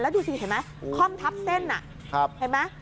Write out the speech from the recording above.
แล้วดูสิเห็นไหมคล่อมทับเส้นใช่ไหม